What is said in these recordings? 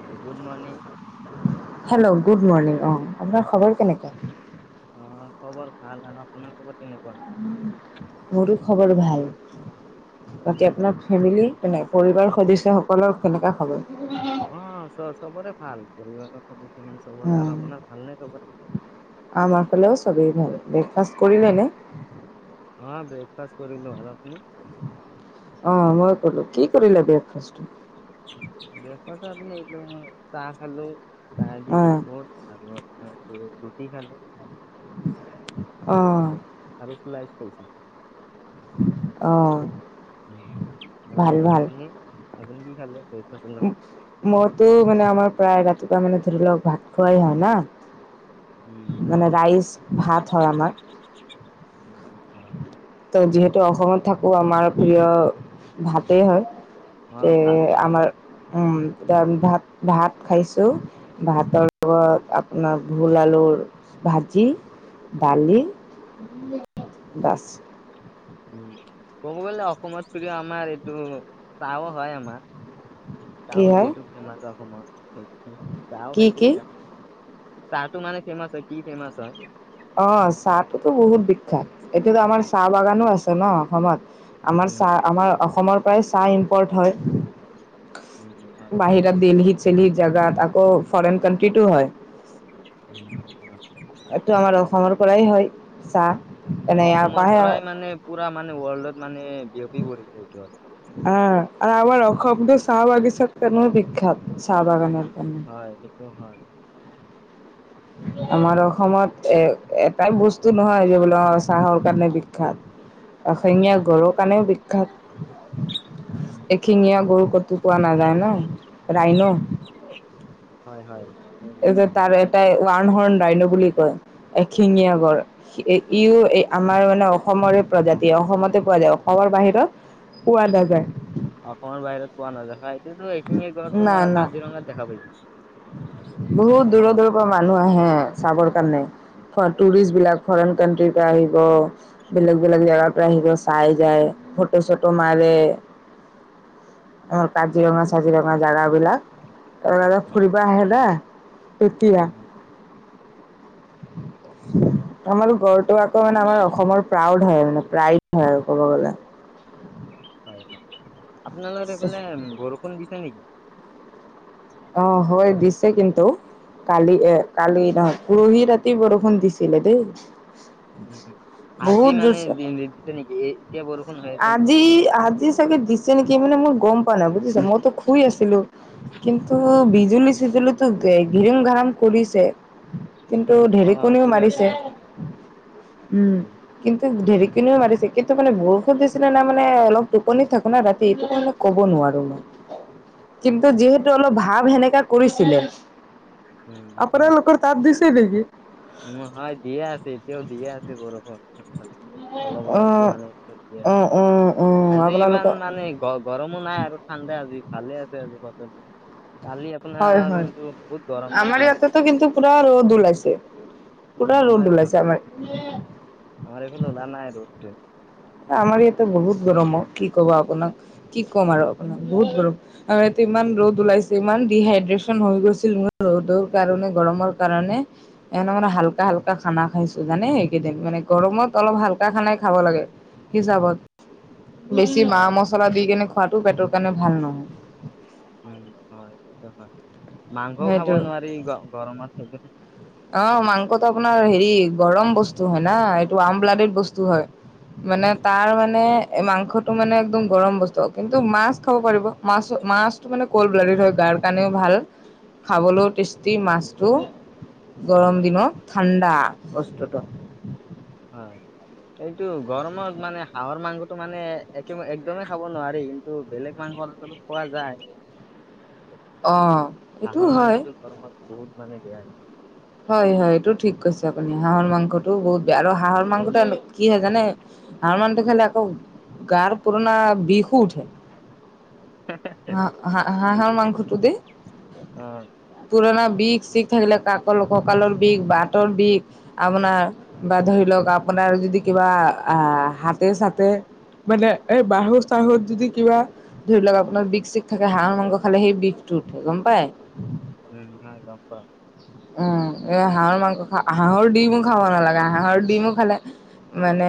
হয়, good morning hello good morning অ, আপোনাৰ খবৰ কেনেকে? অ, খবৰ ভাল আৰু আপোনাৰ খবৰ কেনেকুৱা? মোৰো খবৰ ভাল বাকী আপোনাৰ ফেমিলি? নাই, পৰিবাৰৰ সদস্যসকলৰ কেনেকুৱা খব অ, চ, চবৰে ভাল পৰিালৰ স, সমান অ চবৰে আৰু আপোনাৰ ভাল নে সবৰে। আমাৰ ফালেও চবেই ভাল ব্ৰেকফা কৰিলে, ন। অ, ব্ৰেকফাষ্ট কৰিলো আৰুপনি অ, মই কলো কি কৰিলা বষ্ট ব্ৰেকফ আপ এইটো চাহ খালো চাহ দি অ বিস্কুট আৰু মানেটো ৰুটি খালো। আহ। লাইছে আহ। আৰু আপুনি, আপুনি কি খালে? ব্ৰেকফাষ্টৰ লগত? মইতে মানে আমাৰ প্ৰায় ৰাতিপুৱা মানে ধৰি লওক ভাত খোৱাই হয়, উম না। মানে হয় ৰাইচ ভাত হয় আমাৰ। উম হয় যিহেতু অসমত থাকোঁ আমাৰ প্ৰিয় ভাতেই হয়। অ যে, ভাতে হয় আমাৰ উম। ভাত, ভাত খাইছোঁ ভাতৰ লগত আপোনাৰ ভোল, আলুৰ ভাজি, দালি বাছ উম, ক'ব গলে অসমত প্ৰও আমাৰ এইটো চাহ হয়, আমাৰ। কি চাহ হয় যিহেতু ফেমাচ অসমত সেই চাহও কি খাইছে কি সেইকাৰণে। চাহটো মানে ফেমাচ হয় কি ফেমাচ হয়? অ, চাহটোতো বহুত বিখ্যাত এতিো আমাৰ চাহ বাগানো আছে ন, অসমত আমাৰ উম চাহ আমাৰ অসমৰ পৰাই চাহ ইম্পৰ্ট হয়। উম হয় হয় বাহিৰা দিলহিত চেলহি জোগাত আকৌ ফৰেন কানট্ৰি টো, হয়। উম, চজ এইটো আমাৰ অসমৰ পৰাই হয়, চাহ। এনে ইয়াৰ অসমৰ পৰাহে পৰাই মানে পুৰা মানে ৱৰ্ল্ডত মানে বিয়পি পৰিছে এইটো আৰু আহ, আৰু আমাৰ অসম্টোো চাহ বাগিচাত কনে বিখ্যাত। চাহ উ, বাগানৰ কাৰণে। হয়, সেইটো হয়। আমাৰ অসমত এ-এটাই বস্তু নহয় যে বোলো চাহৰ কাৰণে বিখ্যাত। এশিঙীয়া গড়ৰ কাৰণেও বিখ্যাত। উম হয় এশিঙীয়া গড় কতো পোৱা নাযায় ন। ৰাইনো হয় হয়। সেইটোৱে এই যে বিচাৰিম তাৰ এটাই [unintelligible] ৰাইন বুলি কয় এশিঙীয়া গড়, ইও এই আমাৰ মানে অসমৰে প্ৰজাতি অসমতে পোৱা যায়। অসমৰ বাহিৰত পোৱা নাযায়। অসমৰ বাহিৰত পোৱা নাযায় হয়। কিন্তু এশিঙীয়া গড় না তোমাৰ না কাজিৰঙাত দেখা পাইছো। বহুত অসমৰ দূৰৰ দূৰৰ পৰা মানুহ আহে চাবৰ কাৰণে। টুৰিষ্ট বিলাক ফৰেইন কানণ্ট্ৰিৰ পৰা আহি বেলেগ বেলেগ জোগাৰ পৰা আহিব, চাই যায়, ফটো-চটো মাৰে, অ কাজিৰঙা কাজিৰঙা জোগা বিলাক। উম ফুৰিবা আহে না। তেতিয়া। উম, আমাৰ গড়টো আকৌ মানে আমাৰ অসমৰ প্ৰাউড হয় মানে প্ৰাইড হয় আৰু ক'ব গলে। [inaudible] হয় হয় আপোনালৰ এইফোলে বৰষুণ দিছে নেকি? আহ হয় দিছে কিন্তু কালি এ কালি নহয় পৰহি ৰাতি বৰষুণ দিছিলে দেই। উ আজি বহুত মানে জোৰছে দি-দিছে নেকি? এই আজি আজি চাগে দিছে নেকি, মানে মোৰ গম পানাই বুজিছা। মইতো শুই আছিলো কিন্তু বিজুলী-চিজুলীো গং কাম কৰিছে। কিন্তু অ ঢেৰেকনিও শুই আছিলে মাৰিছে আপুনি। উম কিন্তু ধেৰেকনিও মাৰিছে। কিন্তু মানে বৰষু দিছিলে না মানে অলপ টোপনিত থাকো না ৰাতি এইটো কাৰণে ক'ব নোৱাৰো মই। কিন্তু যিহেতু অলপ ভাৱ সেনেকা কৰিছিলে। আপোনালোকৰ তাত দিছে নেকি? নহয় দিয়ে আছে, এতিয়াও দিয়ে আছে বৰষুণ হয় অলপ অলপকে অ', মানে অ', অ', অ', আজি ইমান আপোনালোকৰ মানে গ-গৰমো নাই আৰু ঠাণ্ডা আজি ভালে আছে আজি [inaudible] হয় আপোনাৰ হয় কিন্তু বহুত গৰম আমাৰ দিছিলে। ইয়াতেতো কিন্তু পুৰা ৰ'দ ওলাইছে। অ', পুৰা আমাৰ ৰ'দ ওলাইছে আমাৰ আমাৰ এইফালে ওলোৱা নাই ৰ'দটো। আমাৰ ইয়াতে বহুত গৰম অ, কি কবা আপোনাক, কি কম আৰু আপোনাক, বহুত গৰম আৰু ইয়াতে। ইমান ৰ'দ ওলাইছে, ইমান ডিহাইড্ৰে্চন হৈ গৈছিল মোৰ ৰ'দৰ কাৰণে, গৰমৰ কাৰণে। এনে মানে হাল্কা -হাল্কা খানা খাইছো, জানে সেইকেইদিন মানে। গৰমত অলপ হালকা খানাই খাব লাগে। হিচাপত বেছি মা হয়, মছলা দি কিনে খোৱাটো পেটত কাৰণে ভাল নহয়। উ হয় সেইটো হয়। মাংসও খাব সেইটো নোৱাৰি গ-গৰমত সেইটো অ মাংসটো আপোনাৰ হেৰি গৰম বস্তু হয় না এইটো আমব্লাডেড বস্তু হয়। মানে তাৰ মানে এই মাংসটো মানে একদম গৰম বস্তু। কিন্তু মাছ খাব পাৰিব মাছ মাছটো মানে কল ব্লাডেড হয় গা তাৰ কাৰণেও ভাল, খাবলৈও টেষ্টি মাছটো, গৰম উম, দিনৰ ঠাণ্ডা বস্তুতো। হয়। এইটো গৰমত মানে হাঁহৰ মাংসটো মানে একে-একদমেই খাব নোৱাৰি। কিন্তু বেলেগ মাংস অলপ-চলপ খোৱা যায়। [inaudible] অ', এইটো হাঁহৰ হয়। মাংসটো গৰমত বহুত মানে বেয়া হৈ হয় হয় এইটো ঠিক কৈছে অ হাঁহৰ মাংসটো বহুত বেয়া আৰু হাঁহৰ মাংসটো কি হয় জানে হাঁহৰ মাংসটো খালে আকৌ গাৰ পুৰণা বিষো উঠে হ হ হাঁহৰ মাংসটো কি? অ পুৰণা বিষ-চিষ থাকিলে কাক কঁকালৰ বিষ বাতৰ বিষ আপোনাৰ বা ধৰি লওক আপোনাৰ যদি কিবা আহ হাতে - চাতে মানে এই বাহু - চাহুত যদি কিবা ধৰিলোক আপুনি আপোনাৰ বিষ-চিষ থাকে হাঁহৰ মাংস খালে সেই বিষটো উঠে গম পাই উম হ গম পাও উম এ হাঁহৰ মাংস হাঁহৰ ডিমো খাব নালাগে হাঁহৰ ডিমো খালে মানে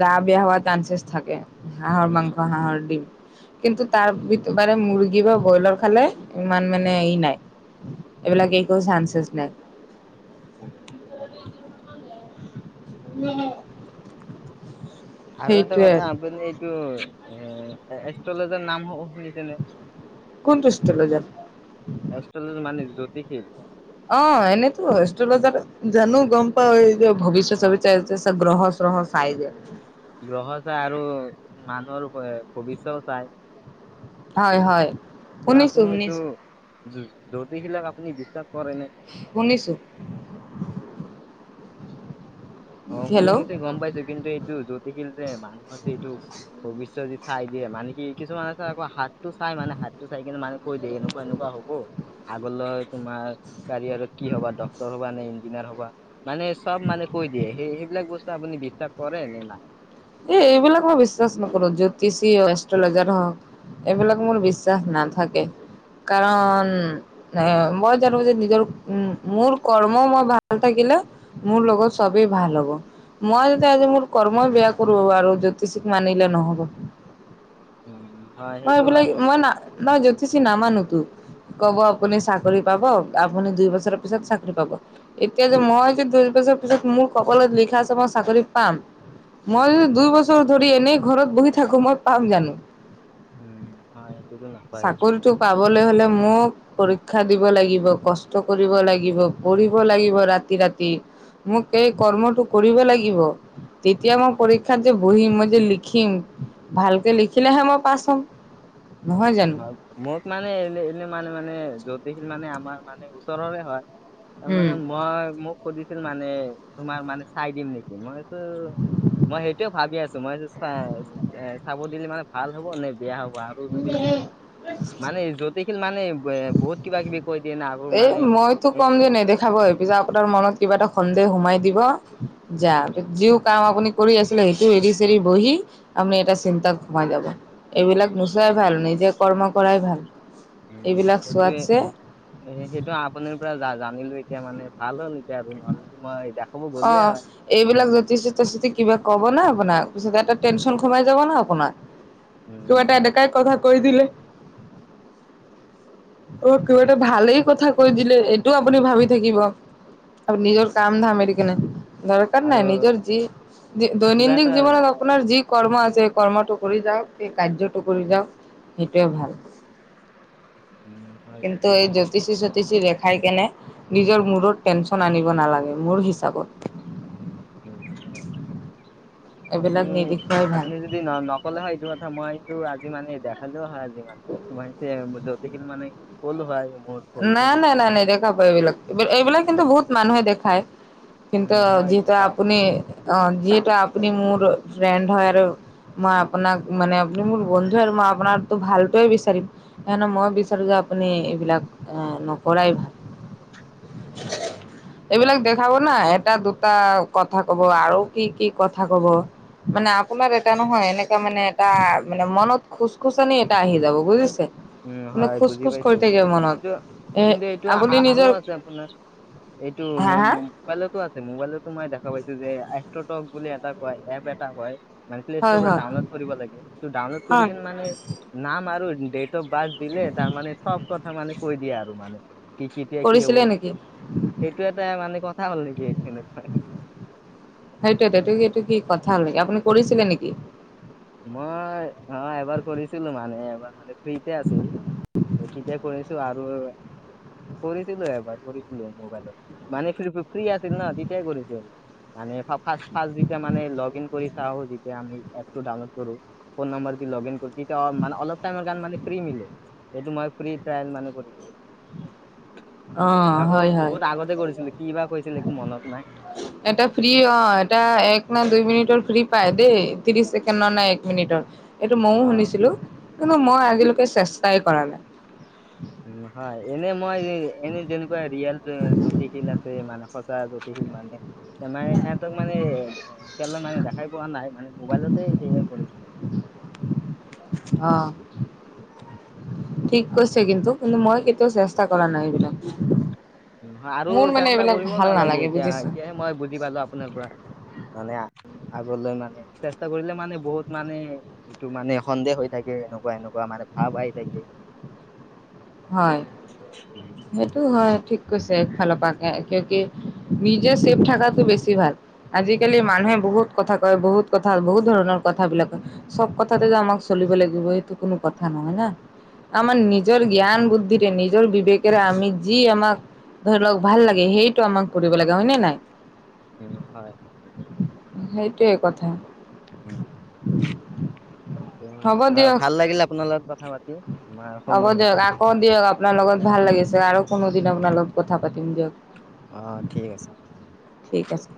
গা বেয়া হোৱা চানসেছ থাকে হাঁহৰ উম মাংস হাঁহৰ দিম কিন্তু তাৰ বাৰে মুৰ্গী বা ব্ৰইলাৰ খালে ইমান মানে ই নাই এইবিলাক একো চানচেচ নাই উম হয় উম আৰু এটা কথা আপুনি এইটো এ এষ্ট্ৰ'লজাৰ নাম অ শুনিছেনে কোনটো এষ্ট্ৰ'লজাৰ এষ্ট্ৰলজাৰ মানে জ্যোতিষীৰ অ এনেইতো এষ্ট্ৰ'লজাৰ জানো গম পাও এই যে অ ভৱিষ্যত-চবিষ্যত চা যে গ্ৰহ-চ্ৰহ চাই যে গ্ৰহ চাই আৰু মানুহৰ ভৱিষ্যও চাই হয় হয় ত শুনিছো আপুনি এইটো শুনিছো জোতিষিবিলাক আপুনি বিশ্বাস কৰে নে উনিচো। অ শুনিছে গম পাইছো কিন্তু এইটো জতিশীল যে মানুহৰ যে এইটো ভৱিষ্যত চাই দিয়ে মানে কি কিছুমান আছে আকৌ হাতটো চাই মানে হাতটো চাই কিনে মানে কৈ দিয়ে এনেকুৱা এনেকুৱা হ'ব আগলৈ তোমাক কাৰিয়াৰত কি হ'বা ডক্টৰ হ'বা নে ইঞ্জিনিয়াৰ হ'বা মানে চব মানে কৈ দিয়ে। সেই সেইবিলাক বস্তু আপুনি বিশ্ৱাস কৰে নে নাই? এই এইবিলাক মই বিশ্বাস নকৰো জ্যোতিষী এষ্ট্ৰলজাৰ হওক এইবিলাক মোৰ বিশ্বাস নাথাকে। কাৰণ এ মই জানো যে নিজৰ উ মোৰ কৰ্ম মই ভাল থাকি দে মোৰ লগত চবেই ভাল হ'ব, মই যে আজি মোৰ কৰ্মই বয়া আৰু জ্যোতিষিক মানিলে নহ'ব। উম হয় মই সেইটো এইবিলাক হয় মই না মই জ্যোতিষী নামানো। কব আপুনি চাকৰি পাব, আপুনি দুই বছৰৰ পিছত চাকৰি পাব। এতিয়া যে মই দুই বছৰ পিছত মোৰ কপালত লিখা আছে মই চাকৰি পাম। মই দুই বছৰ ধৰি এনেই ঘৰত বহি থাকো মই পাম জানো? উম হয় সেইটোতো নাপায় এইটো চাকৰিটো পাবলৈ হলে মোক পৰীক্ষা দিব লাগিব, কষ্ট কৰিব লাগিব, পঢ়িব লাগিব ৰাতি ৰাতি মোক এই কৰ্মটো কৰিব লাগিব। এতিয়া উম মই পৰীক্ষাত যে বহিম মই যে লিখিম, ভালকে লিখিলেহে মই পাছ হ'ম। নহয় জানো? হয় মোক মানে এনে এনে মানে মানে জতিশীল মানে আমাৰ মানে ওচৰৰে হয় তাৰ মানে উম। মই মোক সুধিছিল মানে তোমাৰ মানে চাই দিম নেকি মই মই সেইটোয়ে ভাবি আছো মই চ আহ চাব দিলে মানে ভাল হ'ব নে বেয়া হ'ব আৰু যদি উম মানে জতিশীল মানে ব্ৱে বহুত কিবা কিবি কৈ দিয়ে না আৰু এ মানে মইতো উ কম যে নেদেখাবই পিছত আপোনাৰ মনত কিবা এটা সন্দেহ সোমাই দিব যাব যিও কাম আপুনি কৰি আছিলে সেইটো এৰি চেৰি বহি আমি এটা চিন্তাত সোমাই যাব। এইবিলাক নুচোৱাই ভাল নিজে কৰ্ম কৰাই ভাল উম এইবিলাক সেইটোয়ে চোৱাতছে সেইটো আপুনিৰ পৰা জা জানিলো এতিয়া মানে ভাল হ'ল। এতিয়া আৰু নহ'লেতো মই দেখাব গ'লোৱে অ', হয় মানে, এইবিলাক [unintelligible] কিবা ক'ব নে আপোনাক? পিছত এটা টেনশন সোমাই যাব না আপোনাৰ উম কিবা এটা হয় এনেকাই ক কৈ দিলে। অ', কিবা এটা ভালেই কথা কৈ দিলে এইটো আপুনি ভাবি থাকিব। আৰু উম নিজৰ কাম ধাম এৰি কিনে। দৰকাৰ আৰু নাই নিজৰ যি কিবা দৈনন্দিন এটা জীৱনত আপোনাৰ যি কৰ্ম আছে সেই কৰ্মটো কৰি যাওঁক সেই কাৰ্যটো কৰি যাওঁক সেইটোৱে ভাল। উম হয় কিন্তু বুজি এই পাইছো জ্যোতিষী চোতিষী ৰেখাই কেনে নিজৰ মূৰত টেনচ আনিব নালাগে মোৰ হিচ [inaudible] এইবিলাক আপুনি নিদেখুৱাই ভাল। আপুনি যদি ন নক'লে হয় এইটো কথা মইটো আজি মানে দেখালেও হয়। মানে তে জ্যোতিয়ীক মানে ক'লো হয় মোৰ নাই ভৱিষ্যতটো নাই নাই চাই নাই নেদেখাব এইবিলাক, এইবিলাক কিন্তু বহুত মানুহে দেখায়। কিন্তু উম হয় যিহেতু দেখাই আপুনি অ' যিহেতু আপুনি মোৰ ফ্ৰেণ্ড হয় আৰু। মই আপোনাক মানে আপুনি মোৰ বন্ধুৱে আৰু মই আপোনাক ভালটোৱে বিচাৰিম। কাৰণে মই বিচাৰো যে আপুনি এইবিলাক এ নকৰাই। এইবিলাক হয় দেখাব না এটা দুটা কথা ক'ব আৰু কি কি কথা ক'ব। মানে আপোনাৰ এটা নহয় এনেকা মানে এটা মানে মনত খুছ খুছনি এটা আহি যাব বুজিছে। মানে খোচ খোচ কৰি থাকিব মনত। টো এ কিন্তু এইটো আপুনি আ-আৰু নিজৰ আছে আপোনাৰ এইটো হা হা মো-মোবাইলতো আ মোবাইলতো মই দেখা পাইছো যে এষ্ট্ৰটক বুলি এটা কয় এপ এটা হয়। মানে প্লে ষ্টৰৰ হয় পৰা হয় ডাউনলোড কৰিব লাগে, সেইটো ডাউনলোড কৰি কি মানে নাম আৰু ত' দিলে তাৰমানানে চব কথা মানে কৈ দিয়ে আৰু মানে কি কেতিয়া কি হব? কৰিছিলে নেকি? সেইটো এটা মানে কথা হ'ল নেকি সেনেকুৱা। সেইটোৱেইটো সেইটো কি কথা হ'ল নেকি? আপুনি কৰিছিলে নেকি? মই অ' এবাৰ কৰিছিলো মানে এবাৰ মানে ফ্ৰীতে আছিল। এই তেতিয়াই কৰিছো আৰু কৰিছিলো এবাৰ কৰিছিলো মোবাইলত মানে ফ্ৰী আছিল ন তেতিয়াই কৰিছো। মানে ফাৰ্ষ্ট ফাৰ্ষ্ট যেতিয়া মানে লগ ইন কৰি চাও, যেতিয়া আমি টো ডাউনলোড কৰো ফোন নম্বৰ লগন কৰো তেতিয়া মানে অলপ টাইমৰ কাৰণে মানে ফ্ৰী মিলে। এইটো মই ফ্ৰী ট্ৰায়েল মানে কৰিছিলো। [inaudible] অ' তাকো হয় হয় বহুত আগতেই কৰিছিলো। কি বা কৈছিলে একো মনতেই নাই। এটা ফ্ৰী অ' এটা এক নে দুই মিনিটৰ ফ্ৰী পাই দেই ত্ৰিশ ছেকেণ্ডৰ নে এক মিনিটৰ এইটো ময়ো অ শুনিছিলো। কিন্তু মই আজিলৈকে চেষ্টাই কৰা নাই। হয়, এনে মই এনে যেনেকুৱা ৰিয়েল জোতিয়ী কথা মানে সঁচা জ্যোতিয়ী মানে এ সিহঁতক মানে এ কে মানে দেখাই পোৱা নাই। মোবাইলতে সেয়াই কৰিছিলো। [unintelligible] অ' উম, ঠিক কৈছে কিন্তু। কিন্তু মই কেতিয়াও চেষ্টা কৰা নাই এইবিলাক। আৰু মোৰ মানে চেষ্টা এইবিলাক কৰিবও ভাল নালাগে এতিয়া, বুজিছে এতিয়াহে মই বুজি পালো আপোনাৰ পৰা। মানে আগলৈ মানে চেষ্টা কৰিলে মানে বহুত মানে এইটো মানে সন্দেহ হৈ থাকে এনেকুৱা এনেকুৱা। কোৱা মানে ভাব আহি থাকে। হয়, উম, সেইটো হয়, ঠিক কৈছে একফালৰ পৰা এক নিজে চেভ থাকাটো বেছি ভাল। আজিকালি মানুহে বহুত কথা কয় বহুত কথা বহুত ধৰণৰ কথাবিলাক কয়। চব কথাতেই যে আমাক চলিব লাগিব সেইটো কোনো কথা নহয় না। আমাৰ নিজৰ জ্ঞান বুদ্ধিৰে নিজৰ বিবেকেৰে আমি যি আমাক ধৰি লওক ভাল লাগে, সেইটো আমাক কৰিব লাগে হয় নে নাই? উম হয়, সেইটো। সেইটোৱেই কথা। উম। উম, হ'ব দিয়ক। ভাল লাগিলে আপোনাৰ লগত কথা পাতি, আমাৰ হ'ব সময় হৈছে দিয়ক আকৌ দিয়ক আপোনাৰ লগত ভাল লাগিছে আৰু কোনো দিন আপোনাৰ লগত কথা পাতিম দিয়ক। অ' ঠিক আছে। ঠিক আছে।